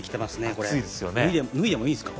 これ脱いでもいいですか？